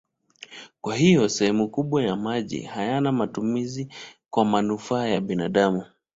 Kwa hiyo sehemu kubwa ya maji haina matumizi kwa manufaa ya binadamu.